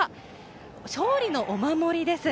勝利のお守りです。